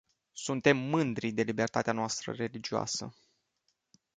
Suntem mândri de libertatea noastră religioasă.